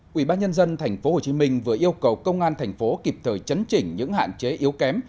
quỹ bác nhân dân tp hcm vừa yêu cầu công an thành phố kịp thời chấn chỉnh những hạn chế yếu kém